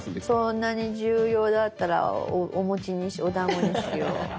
そんなに重要だったらおだんごにしよう。